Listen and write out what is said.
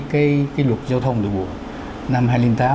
cái luật giao thông đường bộ năm hai nghìn tám